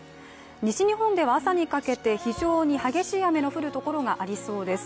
西日本では朝にかけて非常に激しい雨の降るところがありそうです。